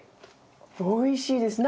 おいしいです。